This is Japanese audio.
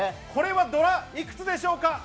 これはドラ、いくつでしょうか。